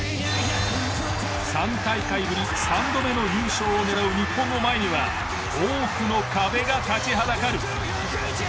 ３大会ぶり３度目の優勝を狙う日本の前には多くの壁が立ちはだかる。